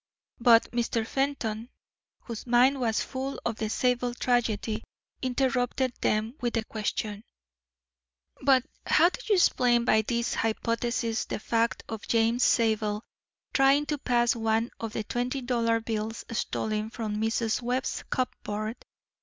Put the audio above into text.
But Mr. Fenton, whose mind was full of the Zabel tragedy, interrupted them with the question: "But how do you explain by this hypothesis the fact of James Zabel trying to pass one of the twenty dollar bills stolen from Mrs. Webb's cupboard?